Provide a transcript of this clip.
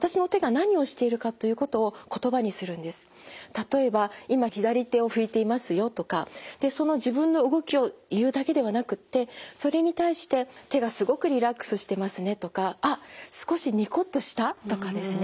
例えば「今左手を拭いていますよ」とかでその自分の動きを言うだけではなくってそれに対して「手がすごくリラックスしてますね」とか「あっ少しニコッとした？」とかですね